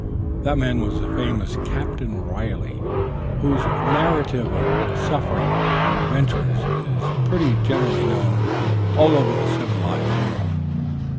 That man was the famous Captain Riley, whose "Narrative" of suffering and adventures is pretty generally known all over the civilized world.